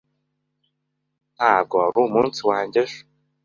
Ntabwo wari umunsi wanjye ejo.